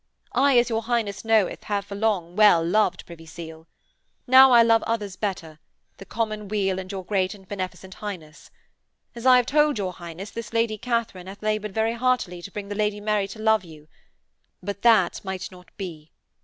I, as your Highness knoweth, have for long well loved Privy Seal. Now I love others better the common weal and your great and beneficent Highness. As I have told your Highness, this Lady Katharine hath laboured very heartily to bring the Lady Mary to love you. But that might not be.